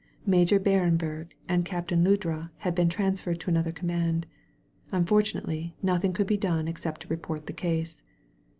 Major BMrenberg and Captain Ludra had been transferred to another command. Unfortunately, nothing could be done except to report the case.